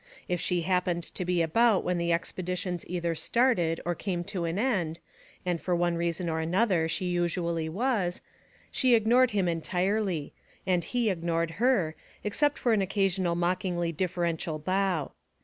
If she happened to be about when the expeditions either started or came to an end (and for one reason or another she usually was) she ignored him entirely; and he ignored her, except for an occasional mockingly deferential bow.